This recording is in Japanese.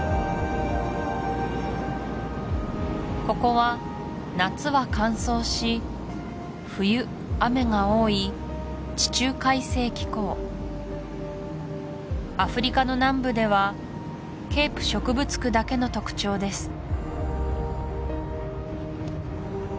ここは夏は乾燥し冬雨が多い地中海性気候アフリカの南部ではケープ植物区だけの特徴です